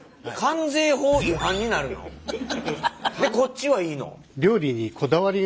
でこっちはいいの？